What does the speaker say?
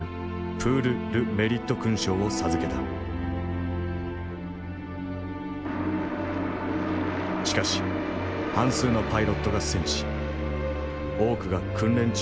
しかし半数のパイロットが戦死多くが訓練中の事故だった。